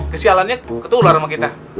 kesialannya ketular sama kita